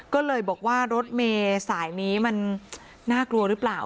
ก็เลยบอกว่ารถเมย์สายนี้มันน่ากลัวหรือเปล่า